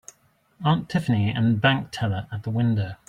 Aunt Tiffany and bank teller at the window.